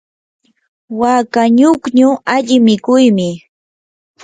waka ñukñu alli mikuymi.